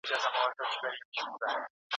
ما پرون کتاب وکتلی او ډېر څه مي زده کړل.